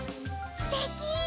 すてき！